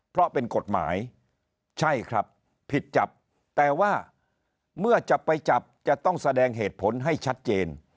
เพราะเป็นกฎหมายใช่ครับผิดจับแต่ว่าเมื่อจับไปจับจะต้องแสดงเหตุผลให้ชัดเจน